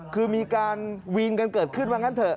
คือมีการวิงกันเกิดขึ้นว่างั้นเถอ